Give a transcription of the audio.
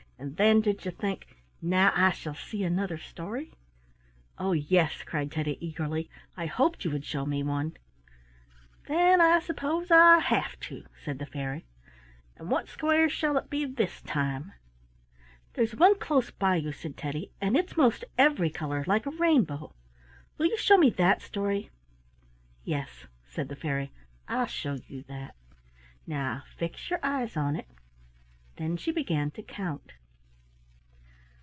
"And then did you think, 'Now I shall see another story'?" "Oh, yes!" cried Teddy, eagerly. "I hoped you would show me one." "Then I suppose I'll have to," said the fairy. "And what square shall it be this time?" "There's one close by you," said Teddy, "and it's most every color, like a rainbow. Will you show me that story?" "Yes," said the fairy, "I'll show you that. Now fix your eyes on it." Then she began to count.